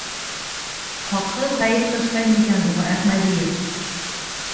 Хаҡһыҙ ғәйеп ташламай микән уға Әхмәҙиев?